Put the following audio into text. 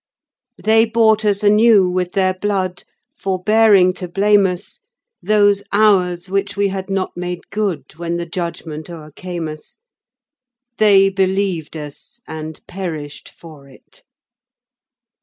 They bought us anew with their blood, forbearing to blame us, Those hours which we had not made good when the Judgment o'ercame us. They believed us and perished for it.